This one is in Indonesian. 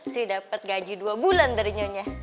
si sudah tiba dua bulan dari nyonya